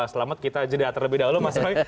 selamat kita jadi atas lebih dahulu mas roy